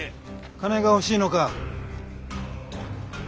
金が欲しいのか。